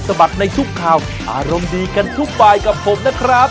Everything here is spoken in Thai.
บัดในทุกข่าวอารมณ์ดีกันทุกบายกับผมนะครับ